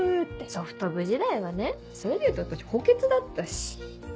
ソフト部時代はねそれでいうと私補欠だったし。